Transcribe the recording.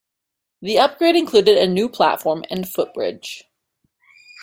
The upgrade included a new platform and footbridge.